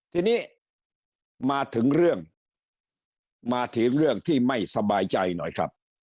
ทีนี้มาถึงเรื่องมาถึงเรื่องที่ไม่สบายใจหน่อยครับ